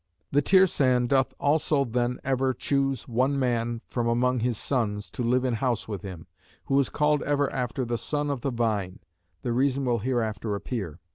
The Tirsan doth also then ever choose one man from among his sons, to live in house with him; who is called ever after the Son of the Vine. The reason will hereafter appear.